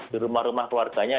di rumah rumah warganya